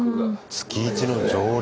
月１の常連。